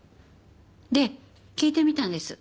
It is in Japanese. で聞いてみたんです。